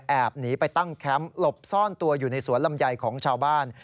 หนีไปตั้งแคมป์หลบซ่อนตัวอยู่ในสวนลำไยของชาวบ้าน